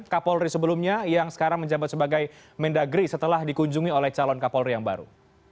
kapolri sebelumnya yang sekarang menjabat sebagai mendagri setelah dikunjungi oleh calon kapolri yang baru